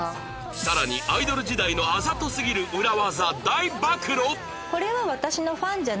更にアイドル時代のあざとすぎる裏技大暴露！？